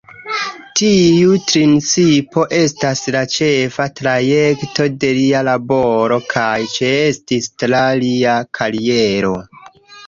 Tiu principo estas la ĉefa trajto de lia laboro kaj ĉeestis tra lia kariero.